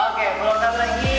oke belum terlalu lagi